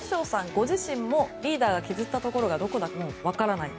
ご自身もリーダーが削ったところが分からないと。